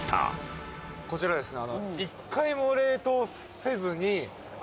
こちらですね。